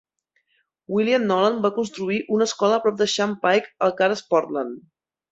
William Nolan va construir una escola a prop de Shun Pike, el que ara és Portland.